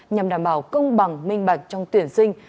nhằm đảm bảo công bằng minh bạch trong tuyển sinh